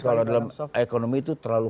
kalau dalam ekonomi itu terlalu